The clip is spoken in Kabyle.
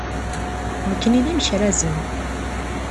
Nekkni d imekrazen.